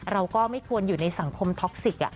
เราก็ไม่ควรอยู่ในสังคมท็อกซิก